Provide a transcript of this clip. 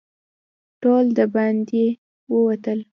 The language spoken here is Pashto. ټول د باندې ووتل.